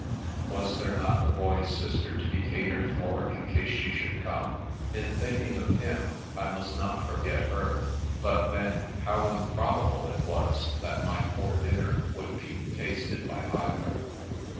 Was there not the Boy's sister to be catered for in case she should come ? In thinking of him I must not forget her. But then, how improbable it was that my poor dinner would be tasted oy either